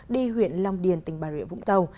đi huyện long điền tỉnh bà rịa vũng tàu